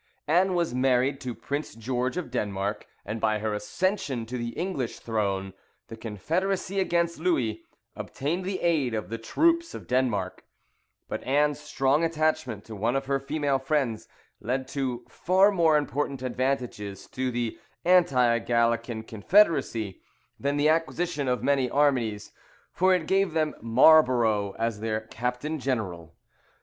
Anne was married to Prince George of Denmark, and by her accession to the English throne the confederacy against Louis obtained the aid of the troops of Denmark; but Anne's strong attachment to one of her female friends led to far more important advantages to the anti Gallican confederacy, than the acquisition of many armies, for it gave them MARLBOROUGH as their Captain General.